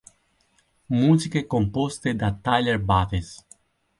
Musiche composte da Tyler Bates.